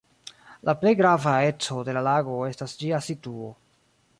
La plej grava eco de la lago estas ĝia situo.